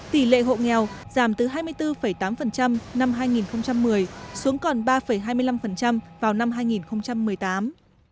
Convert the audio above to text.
tỷ lệ hộ nghèo giảm từ hai mươi bốn tám năm hai nghìn một mươi xuống còn ba hai mươi năm vào năm hai nghìn một mươi tám